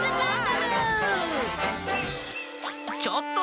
ちょっと。